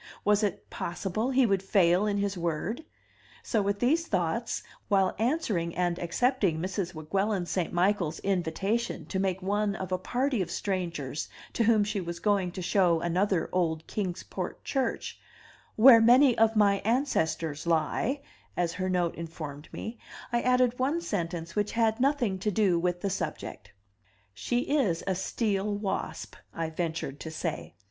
Was it possible he would fail in his word? So with these thoughts, while answering and accepting Mrs. Weguelin St. Michael's invitation to make one of a party of strangers to whom she was going to show another old Kings Port church, "where many of my ancestors lie," as her note informed me, I added one sentence which had nothing to do with the subject "She is a steel wasp," I ventured to say.